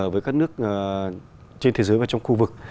với các nước trên thế giới và trong khu vực